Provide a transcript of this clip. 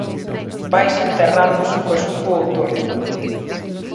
Vaise enterrando, suco a suco, o Outono.